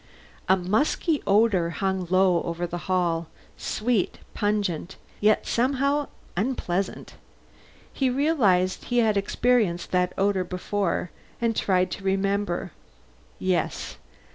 A musky odor hung low over the hall, sweet, pungent, yet somehow unpleasant. He realized he had experienced that odor before, and tried to remember yes.